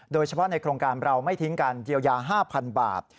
ในโครงการเราไม่ทิ้งการเยียวยา๕๐๐๐บาท